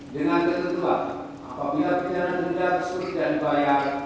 dengan ketentuan apabila pindana denda disuruh dan dibayar